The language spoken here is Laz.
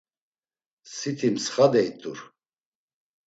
Siti mtsxade it̆ur.